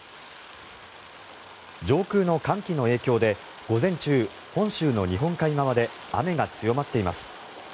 上空の寒気の影響で午前中、本州の日本海側で雨が強まっています。